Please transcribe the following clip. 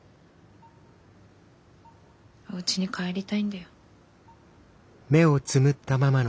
おうちに帰りたいんだよ。